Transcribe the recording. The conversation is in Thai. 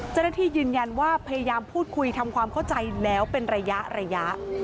เจ้าหน้าที่ยืนยันว่าพยายามพูดคุยทำความเข้าใจแล้วเป็นระยะ